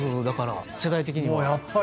だから世代的には。